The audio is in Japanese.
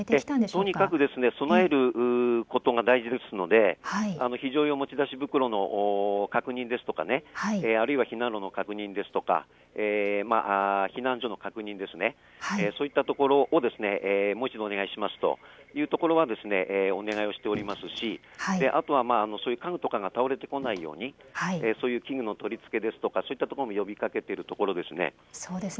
とにかく備えることが大事ですので非常用持ち出し袋の確認ですとかあるいは避難路の確認ですとか避難所の確認ですね、そういったところをもう一度お願いしますというところはお願いをしておりますしあとは家具とかが倒れてこないように、そういう器具の取り付けですとかそういったところも呼びかけているところです。